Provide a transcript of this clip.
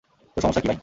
তোর সমস্যা কী, ভাই?